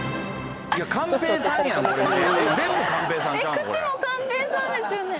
口も寛平さんですよね？